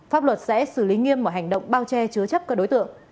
pháp luật sẽ xử lý nghiêm mọi hành động bao che chứa chấp các đối tượng